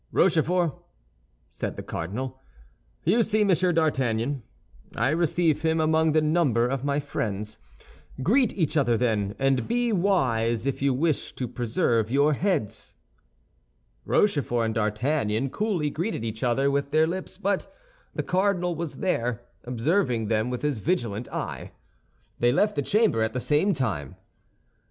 "Rochefort," said the cardinal, "you see Monsieur d'Artagnan. I receive him among the number of my friends. Greet each other, then; and be wise if you wish to preserve your heads." Rochefort and D'Artagnan coolly greeted each other with their lips; but the cardinal was there, observing them with his vigilant eye. They left the chamber at the same time.